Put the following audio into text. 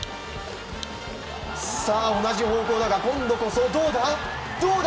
同じ方向だが、今度こそどうだ。